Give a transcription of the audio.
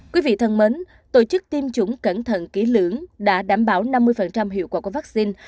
quý vị thân mến tổ chức tiêm chủng cẩn thận ký lưỡng đã đảm bảo năm mươi hiệu quả của vaccine